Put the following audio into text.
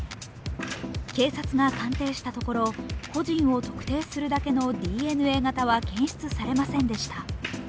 警察が鑑定したところ、個人を特定するだけのＤＮＡ型は検出されませんでした。